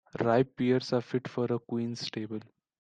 Ripe pears are fit for a queen's table.